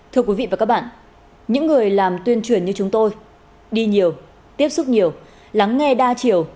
thưa quý vị và các bạn những người làm tuyên truyền như chúng tôi đi nhiều tiếp xúc nhiều lắng nghe đa chiều